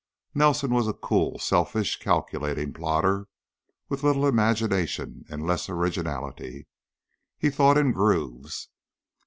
Nelson was a cool, selfish, calculating plodder with little imagination and less originality; he thought in grooves.